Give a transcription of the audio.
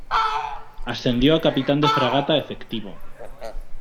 Ascendió a capitán de fragata efectivo.